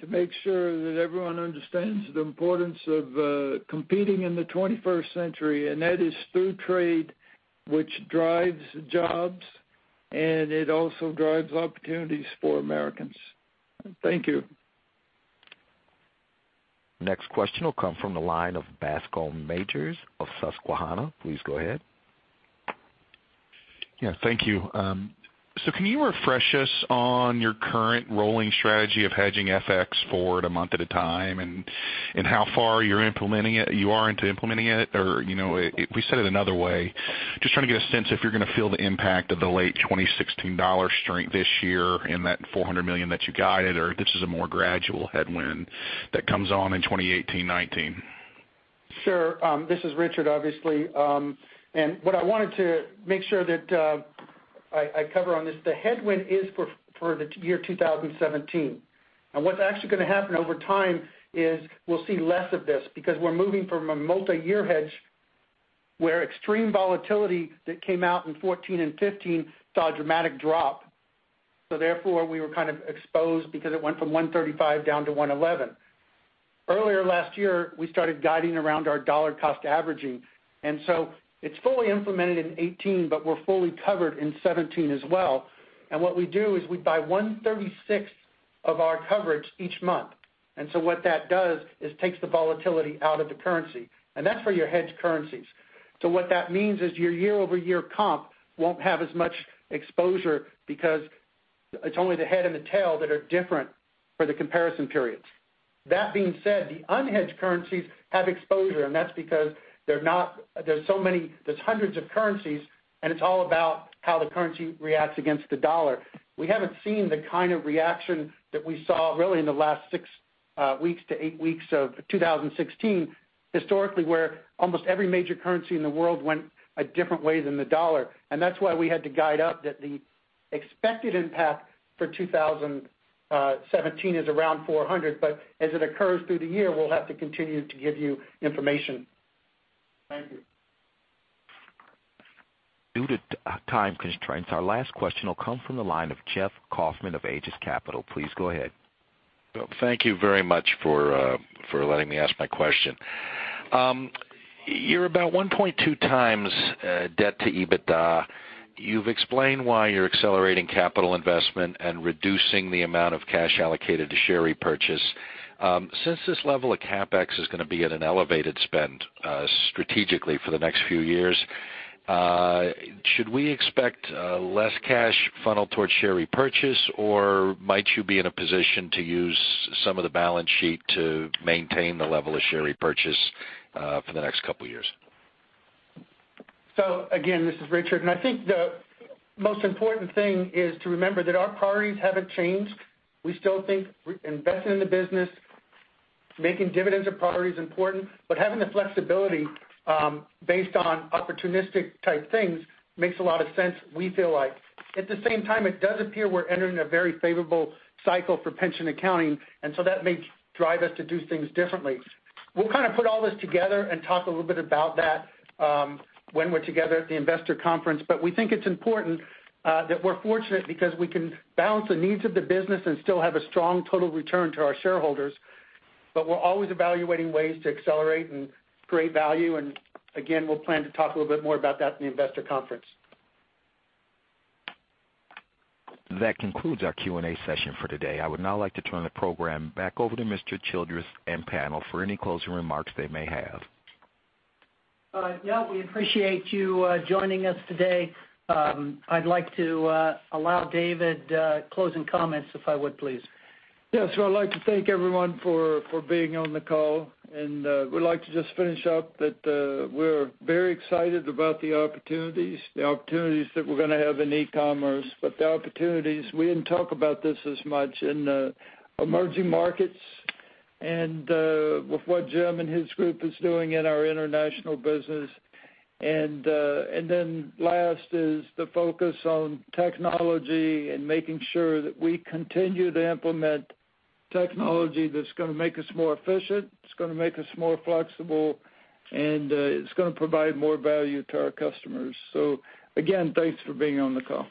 to make sure that everyone understands the importance of competing in the 21st century. That is through trade, which drives jobs, and it also drives opportunities for Americans. Thank you. Next question will come from the line of Bascome Majors of Susquehanna. Please go ahead. Yeah, thank you. Can you refresh us on your current rolling strategy of hedging FX forward a month at a time and how far you are into implementing it? If we said it another way, just trying to get a sense if you're going to feel the impact of the late 2016 dollar strength this year in that $400 million that you guided, or if this is a more gradual headwind that comes on in 2018-19. Sure. This is Richard, obviously. What I wanted to make sure that I cover on this, the headwind is for the year 2017. What's actually going to happen over time is we'll see less of this because we're moving from a multiyear hedge where extreme volatility that came out in 2014 and 2015 saw a dramatic drop. Therefore, we were kind of exposed because it went from 135 down to 111. Earlier last year, we started guiding around our dollar cost averaging. It's fully implemented in 2018, but we're fully covered in 2017 as well. What we do is we buy one-thirty-sixth of our coverage each month. What that does is takes the volatility out of the currency. That's for your hedged currencies. What that means is your year-over-year comp won't have as much exposure because it's only the head and the tail that are different for the comparison periods. That being said, the unhedged currencies have exposure, and that's because there's hundreds of currencies, and it's all about how the currency reacts against the dollar. We haven't seen the kind of reaction that we saw really in the last six weeks to eight weeks of 2016, historically, where almost every major currency in the world went a different way than the dollar. That's why we had to guide up that the expected impact for 2017 is around $400. As it occurs through the year, we'll have to continue to give you information. Thank you. Due to time constraints, our last question will come from the line of Jeffrey Kauffman of Aegis Capital. Please go ahead. Thank you very much for letting me ask my question. You are about 1.2 times debt to EBITDA. You have explained why you are accelerating capital investment and reducing the amount of cash allocated to share repurchase. Since this level of CapEx is going to be at an elevated spend strategically for the next few years, should we expect less cash funneled towards share repurchase, or might you be in a position to use some of the balance sheet to maintain the level of share repurchase for the next couple of years? Again, this is Richard, and I think the most important thing is to remember that our priorities haven't changed. We still think investing in the business, making dividends a priority is important, but having the flexibility based on opportunistic type things makes a lot of sense, we feel like. At the same time, it does appear we are entering a very favorable cycle for pension accounting, and so that may drive us to do things differently. We will kind of put all this together and talk a little bit about that when we are together at the investor conference. We think it is important that we are fortunate because we can balance the needs of the business and still have a strong total return to our shareholders. We are always evaluating ways to accelerate and create value. Again, we will plan to talk a little bit more about that at the investor conference. That concludes our Q&A session for today. I would now like to turn the program back over to Mr. Childress and panel for any closing remarks they may have. We appreciate you joining us today. I would like to allow David closing comments if I would please. I would like to thank everyone for being on the call. Would like to just finish up that we are very excited about the opportunities. The opportunities that we are going to have in e-commerce, but the opportunities, we didn't talk about this as much in the emerging markets and with what Jim and his group is doing in our international business. Last is the focus on technology and making sure that we continue to implement technology that is going to make us more efficient, it is going to make us more flexible, and it is going to provide more value to our customers. Again, thanks for being on the call.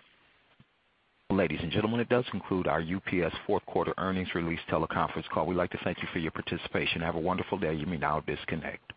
Ladies and gentlemen, it does conclude our UPS fourth quarter earnings release teleconference call. We'd like to thank you for your participation. Have a wonderful day. You may now disconnect.